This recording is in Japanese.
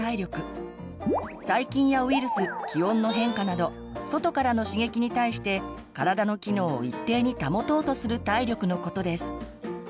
細菌やウイルス気温の変化など外からの刺激に対して体の機能を一定に保とうとする体力のことです。